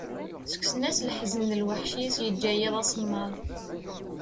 Ttekksen-as leḥzen d lweḥc i as-yeǧǧa yiḍ asemmaḍ.